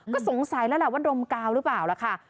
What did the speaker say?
ก็สงสัยแล้วล่ะว่าดมกาวหรือเปล่าล่ะค่ะ